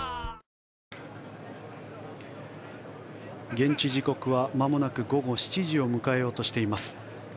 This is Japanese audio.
現地時刻はまもなく午後７時を迎えようとしています。